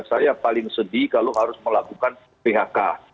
saya paling sedih kalau harus melakukan phk